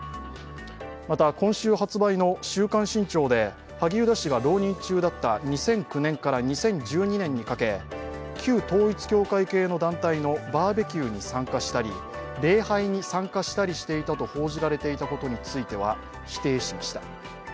また今週発売の「週刊新潮」で萩生田氏が浪人中だった２００９年から２０１２年にかけ旧統一教会系の団体のバーベキューに参加したり、礼拝に参加したりしたと報じられたことについては否定しました。